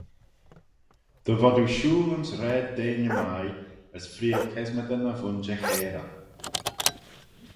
Dy vod oo shooyl ayns raad deiney mie, as freayll kesmadyn y vooinjer chairal.